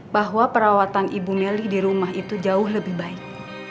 bahwa perawatan ibu melly di rumah itu jauh lebih baik